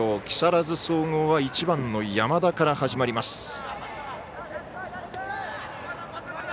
木更津総合は１番の山田から始まります。